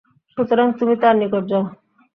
সুতরাং তুমি তাঁর নিকট যাও।